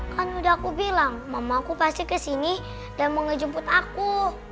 kan udah aku bilang mama aku pasti ke sini dan mau ngejemput aku